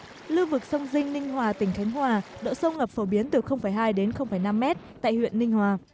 lưu vực sông dinh ninh hòa tỉnh khánh hòa độ sâu ngập phổ biến từ hai đến năm mét tại huyện ninh hòa